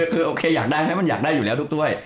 คือยังได้ใช่มั้ยมันอยากได้อยู่แล้วทุกส่วน